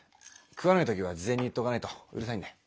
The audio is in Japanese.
食わない時は事前に言っておかないとうるさいんで。